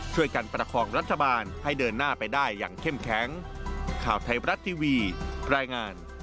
ประคองรัฐบาลให้เดินหน้าไปได้อย่างเข้มแข็ง